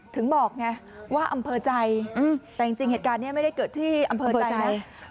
ถึงบอกไงว่าอำเภอใจแต่จริงเหตุการณ์นี้ไม่ได้เกิดที่อำเภอใจนะ